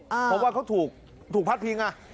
เพราะว่าเขาถูกพัดพิง